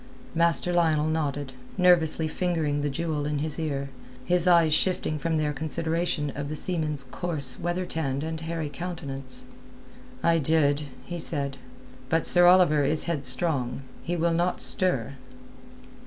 Master Lionel nodded, nervously fingering the jewel in his ear, his eyes shifting from their consideration of the seaman's coarse, weather tanned and hairy countenance. "I did," he said. "But Sir Oliver is headstrong. He will not stir."